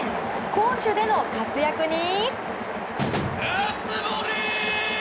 攻守での活躍に。